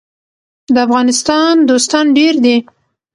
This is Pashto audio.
د افغانستان دوستان ډیر دي